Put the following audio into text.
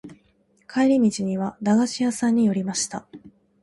帰り道には駄菓子屋さんに寄りました。